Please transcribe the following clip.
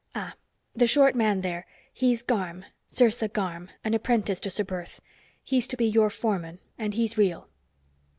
Ah. The short man there he's Garm. Sersa Garm, an apprentice to Ser Perth. He's to be your foreman, and he's real."